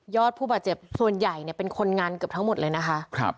ผู้บาดเจ็บส่วนใหญ่เป็นคนงานเกือบทั้งหมดเลยนะคะ